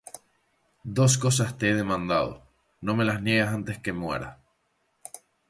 Dos cosas te he demandado; No me las niegues antes que muera.